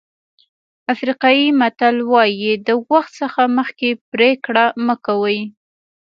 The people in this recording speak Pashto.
افریقایي متل وایي د وخت څخه مخکې پرېکړه مه کوئ.